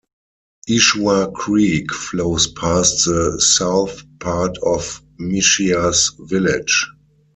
Ischua Creek flows past the south part of Machias village.